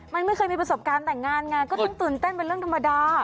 มันไม่เคยมีประสบการณ์แต่งงานไงก็ต้องตื่นเต้นเป็นเรื่องธรรมดา